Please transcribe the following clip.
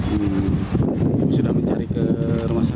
ibu sudah mencari ke rumah sakit